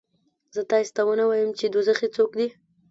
زه تاسې ته ونه وایم چې دوزخي څوک دي؟